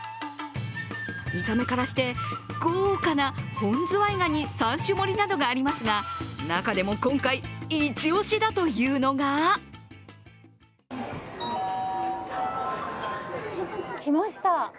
見た目からして、豪華な本ズワイガニ三種盛りなどがありますが、中でも今回イチ押しだというのが来ました。